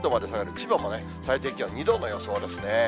千葉も最低気温２度の予想ですね。